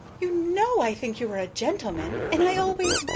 You know I think you are a gentleman, and I always did!"